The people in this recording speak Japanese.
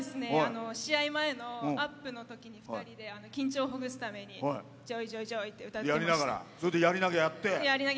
試合前のアップのとき２人で緊張をほぐすために歌ってました。